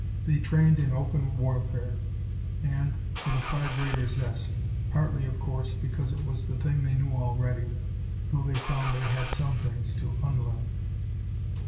They trained in open warfare, and with a far greater zest partly, of course, because it was the thing they knew already, though they found they had some things to unlearn.